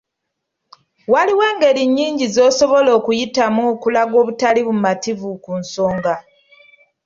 Waliwo engeri nnyingi z'osobola okuyitamu okulaga obutali bumativu ku nsonga.